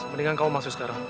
mendingan kamu masuk sekarang